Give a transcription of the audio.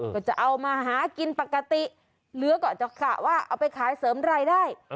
ก็จะเอามาหากินปกติเหลือก็จะกะว่าเอาไปขายเสริมรายได้